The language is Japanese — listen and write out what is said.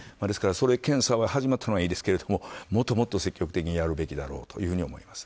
検査が始まったのはいいですけどもっともっと積極的にやるべきだろうというふうに思います。